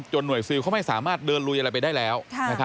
หน่วยซิลเขาไม่สามารถเดินลุยอะไรไปได้แล้ว